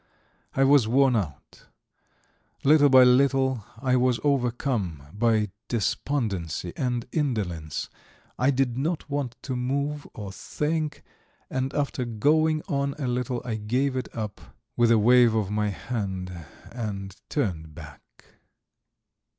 I was worn out; little by little I was overcome by despondency and indolence, I did not want to move or think, and after going on a little I gave it up with a wave of my hand and turned back.